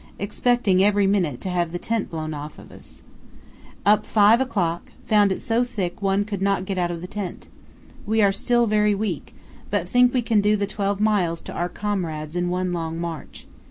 Expecting every minute to have the tent blown off us. Up 5 o'clock; found it so thick one could not get out of the tent. We are still very weak, but think we can do the twelve miles to our comrades in one long march.